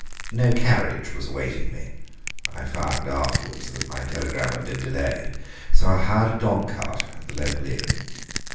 No carriage was awaiting me (I found afterwards that my telegram had been delayed), so I hired a dogcart at the local inn.